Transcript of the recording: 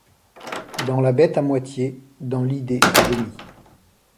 Dans la bête à moitié, dans l’idée à demi